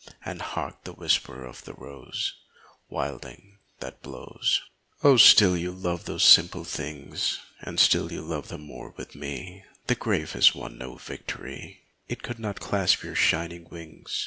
And hark the whisper of the rose Wilding that blows. Oh, still you love those simple things, And still you love them more with me ; The grave has won no victory ; It could not clasp your shining wings.